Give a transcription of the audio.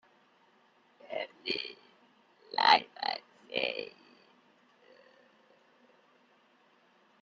Berlin: Live at St.